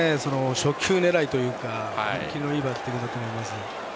初球狙いというか思い切りのいいバッティングだと思います。